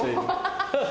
ハハハ！